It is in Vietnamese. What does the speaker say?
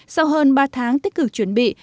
sau hơn ba tháng tích cực chuẩn bị